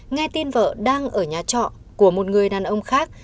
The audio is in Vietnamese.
nghe tin vợ đang ở nhà trọ của một người đàn ông khác